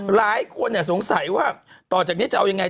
หลายคนสงสัยว่าต่อจากนี้จะเอายังไง